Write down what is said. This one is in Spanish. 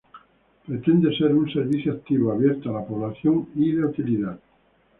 Pretende ser un servicio activo, abierto a la población y de utilidad.